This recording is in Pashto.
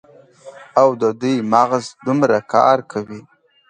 او د دوي مغـز دومـره کـار کـوي.